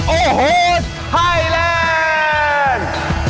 โอ้โหไทยแลนด์